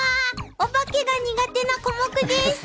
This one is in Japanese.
お化けが苦手なコモクです。